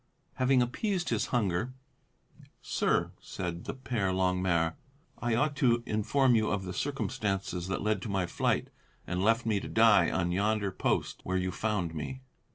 Having appeased his hunger: "Sir," said the Père Longuemare, "I ought to inform you of the circumstances that led to my flight and left me to die on yonder post where you found me.